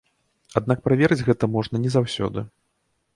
Аднак праверыць гэта можна не заўсёды.